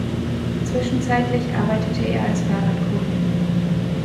Zwischenzeitlich arbeitete er als Fahrradkurier.